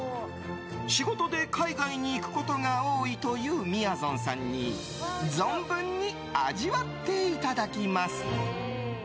仕事で海外に行くことが多いという、みやぞんさんに存分に味わっていただきます。